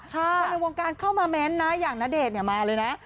คนในวงการเข้ามาเม้นต์นะอย่างณเดชน์มาเลยนะ